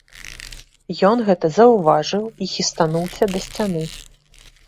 Ён гэта заўважыў і хістануўся да сцяны.